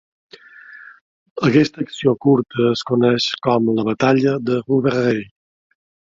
Aquesta acció curta es coneix com "La Batalla de Rouvray".